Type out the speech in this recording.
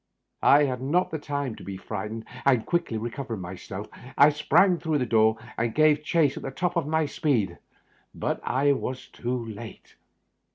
I had not had time to be frightened, and, quickly recover ing myself, I sprang through the door and gave chase at the top of my speed; but I was too late.